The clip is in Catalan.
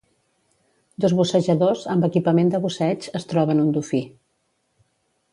Dos bussejadors, amb equipament de busseig, es troben un dofí.